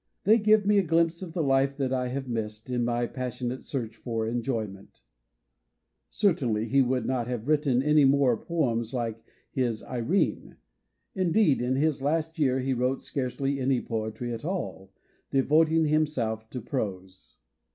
They give me a glimpse of the life that I have missed in my passionate search for enjoyment" Certainly he would not have written any more poems like his " Irene." Indeed, in his last year he wrote scarcely any poetry at all, devoting himself to prose.